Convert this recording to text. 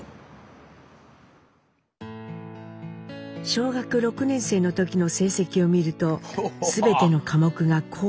小学６年生の時の成績を見るとすべての科目が「甲」。